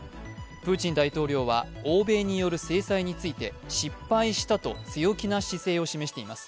プーチン大統領は、欧米による制裁について、失敗したと強気の姿勢を示しています。